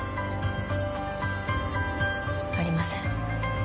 ありません